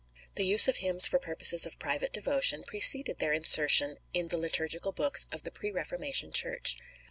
The use of hymns for purposes of private devotion preceded their insertion in the liturgical books of the pre Reformation Church.